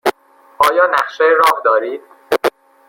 آیا نقشه راه دارید؟